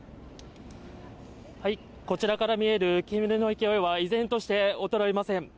こちらから見える煙の勢いは依然として衰えません